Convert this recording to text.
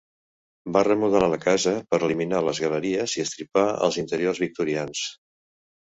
Va remodelar la casa per eliminar les galeries i estripar els interiors victorians.